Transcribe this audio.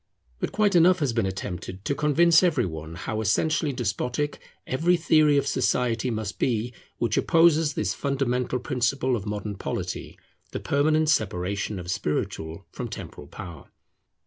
But quite enough has been attempted to convince every one how essentially despotic every theory of society must be which opposes this fundamental principle of modern polity, the permanent separation of spiritual from temporal power.